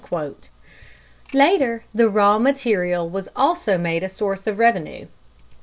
Later the raw material was also made a source of revenue.